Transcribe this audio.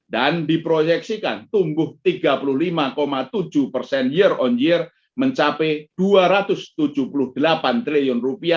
dan diproyeksikan tumbuh tiga puluh lima tujuh persen year on year mencapai rp dua ratus tujuh puluh delapan triliun